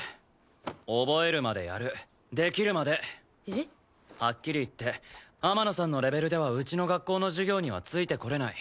えっ？はっきり言って天野さんのレベルではうちの学校の授業にはついてこれない。